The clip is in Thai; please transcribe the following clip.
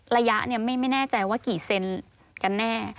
ระยะไม่แน่ใจว่ากี่เซนกันแน่